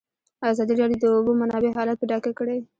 ازادي راډیو د د اوبو منابع حالت په ډاګه کړی.